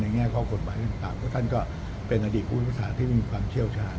ในแง่ข้อกฎบาลส่วนต่างก็ท่านก็เป็นอดีตพลุทธศาสตร์ที่มีความเชี่ยวชาญ